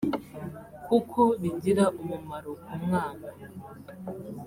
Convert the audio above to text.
kuko bigira umumaro ku mwana